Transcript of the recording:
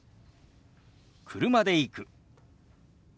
「車で行く」。